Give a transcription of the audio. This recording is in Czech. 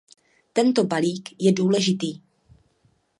Tento balík je důležitý.